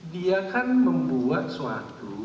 dia kan membuat suatu